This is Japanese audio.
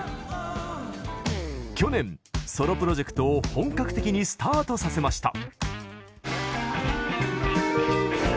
去年、ソロプロジェクトを本格的にスタートさせました。